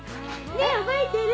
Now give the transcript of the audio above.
ねえ覚えてる？